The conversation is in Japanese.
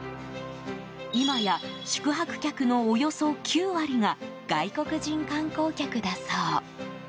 今や宿泊客のおよそ９割が外国人観光客だそう。